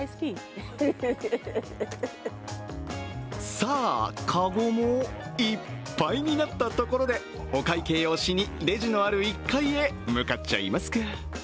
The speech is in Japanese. さぁ、籠もいっぱいになったところでお会計をしにレジのある１階へ向かっちゃいますか。